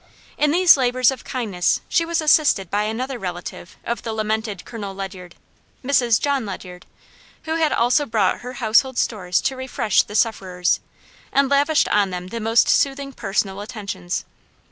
In these labors of kindness she was assisted by another relative of the lamented Colonel Ledyard Mrs. John Ledyard who had also brought her household stores to refresh the sufferers, and lavished on them the most soothing personal attentions.